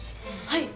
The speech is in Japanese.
はい。